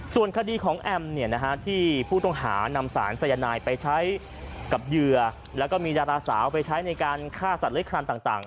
ส่วนคดีของแอมที่ผู้ต้องหานำสารสายนายไปใช้กับเหยื่อแล้วก็มีดาราสาวไปใช้ในการฆ่าสัตว์เล็กคลานต่าง